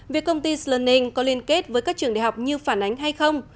việc công ty slening có liên kết với các trường đại học như phản ánh hay không